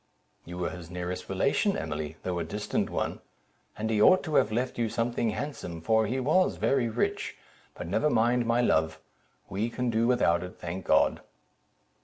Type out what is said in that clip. "You were his nearest relation, Emily, though a distant one; and he ought to have left you something handsome, for he was very rich: but never mind, my love—we can do without it, thank God."